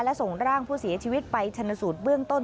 และส่งร่างผู้เสียชีวิตไปชนสูตรเบื้องต้น